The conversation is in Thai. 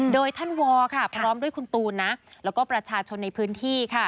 โดยท่านวอค่ะพร้อมด้วยคุณตูนนะแล้วก็ประชาชนในพื้นที่ค่ะ